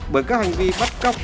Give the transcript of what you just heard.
bởi các hành vi bắt cóc